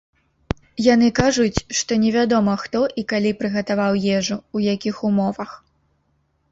Яны кажуць, што невядома, хто і калі прыгатаваў ежу, у якіх умовах.